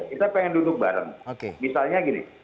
kita pengen duduk bareng misalnya gini